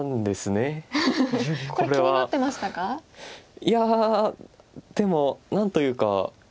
いやでも何というか。